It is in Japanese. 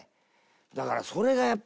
だからそれがやっぱね